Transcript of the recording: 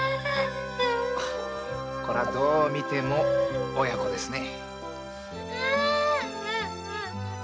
こりゃどうみても父子ですね。